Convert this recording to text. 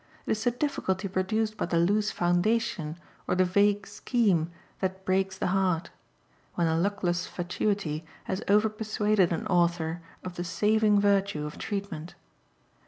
It is the difficulty produced by the loose foundation or the vague scheme that breaks the heart when a luckless fatuity has over persuaded an author of the "saving" virtue of treatment.